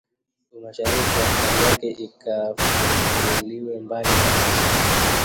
umashariki athari yake ikafututiliwa mbali kabisa